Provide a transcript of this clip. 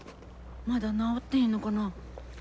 まだ治ってへんのかな。